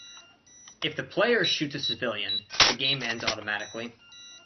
If the player shoots a civilian, the game ends automatically.